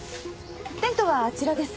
テントはあちらです。